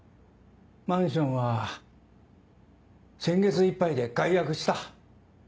マンションは先月いっぱいで解約した。